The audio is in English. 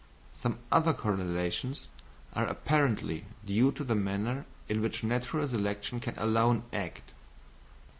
Some other correlations are apparently due to the manner in which natural selection can alone act.